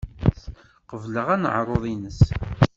Qebleɣ aneɛruḍ-nnes.